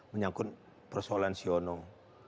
menyangkut persoalan sionong